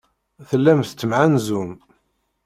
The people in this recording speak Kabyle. Tellam tettemɣanzum.